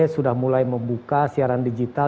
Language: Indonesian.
sudah mulai membuka siaran digital